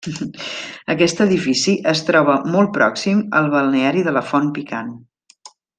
Aquest edifici es troba molt pròxim al balneari de la Font Picant.